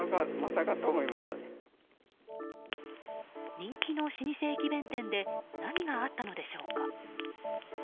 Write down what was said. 人気の老舗駅弁店で何があったのでしょうか？